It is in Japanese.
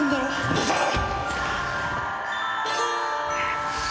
うるさい！